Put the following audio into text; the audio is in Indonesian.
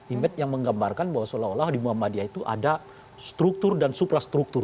image yang menggambarkan bahwa seolah olah di muhammadiyah itu ada struktur dan suprastruktur